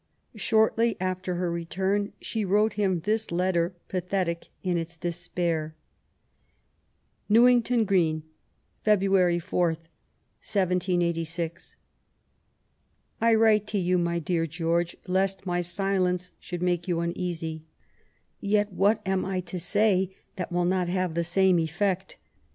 Shortly after her return she wrote him this letter, pathetic in its despair :— Newington Green, Feb. 4, 1786. I write to you, my dear George, lest my silence should make yon imeasy ; yet what have I to say that wiU not have the same efiFeot